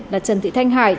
là trần thị thanh hải